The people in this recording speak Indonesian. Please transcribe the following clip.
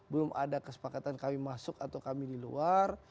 belum ada kesepakatan kami masuk atau kami di luar